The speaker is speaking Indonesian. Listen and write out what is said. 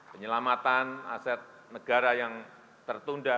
penyelamatan aset negara yang tertunda